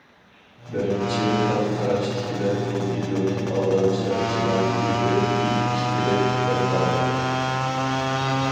بىرىنچى خىل قاراشتىكىلەر بۇ دېلونى ئالدامچىلىق جىنايىتى دەپ بېكىتىش كېرەك، دەپ قارىغان.